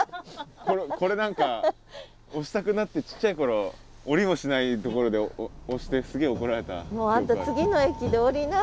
これ何か押したくなってちっちゃい頃降りもしないところで押してすげえ怒られた記憶が。